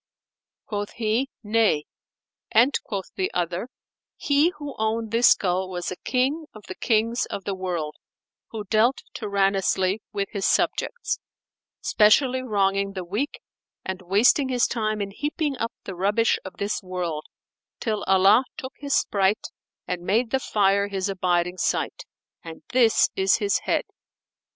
Quoth he, "Nay;" and quoth the other, "He who owned this skull was a King of the Kings of the world, who dealt tyrannously with his subjects, specially wronging the weak and wasting his time in heaping up the rubbish of this world, till Allah took his sprite and made the fire his abiding site; and this is his head."